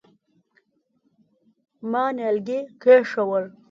ما نيالګي کېښوول.